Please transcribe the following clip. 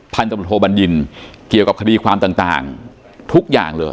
พันธมโลโภบันยินเกี่ยวกับคดีความต่างต่างทุกอย่างเลย